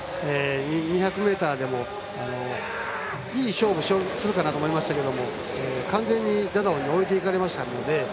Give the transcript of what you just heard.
２００ｍでもいい勝負をするかなと思いましたけれども完全にダダオンに置いていかれたので。